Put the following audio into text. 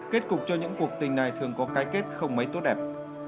kết cục cho những cuộc tình này thường có cái kết không mấy tốt đẹp